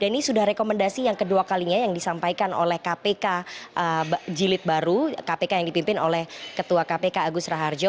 dan ini sudah rekomendasi yang kedua kalinya yang disampaikan oleh kpk jilid baru kpk yang dipimpin oleh ketua kpk agus raharjo